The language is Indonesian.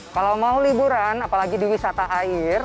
kalau mau liburan apalagi di wisata air